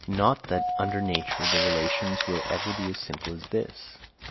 Not that under nature the relations will ever be as simple as this.